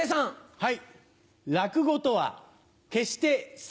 はい。